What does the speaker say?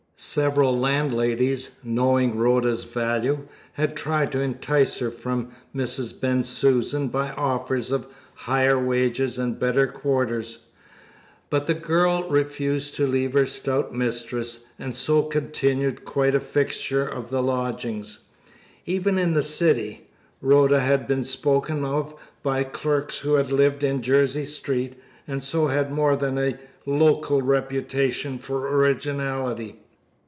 Several landladies, knowing Rhoda's value, had tried to entice her from Mrs. Bensusan by offers of higher wages and better quarters, but the girl refused to leave her stout mistress, and so continued quite a fixture of the lodgings. Even in the city, Rhoda had been spoken of by clerks who had lived in Jersey Street, and so had more than a local reputation for originality.